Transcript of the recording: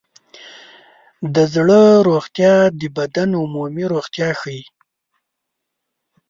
د زړه روغتیا د بدن عمومي روغتیا ښيي.